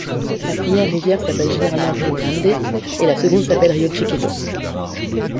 La première rivière s'appelle généralement Río Grande et la seconde s'appelle Río Chiquito.